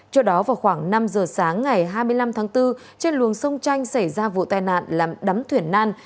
trước đó vào khoảng năm giờ sáng ngày hai mươi năm tháng bốn trên luồng sông chanh xảy ra vụ tai nạn làm đấm thuyền nan